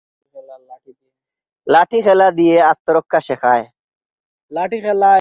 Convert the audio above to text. লাঠি খেলা লাঠি দিয়ে আত্মরক্ষা শেখায়।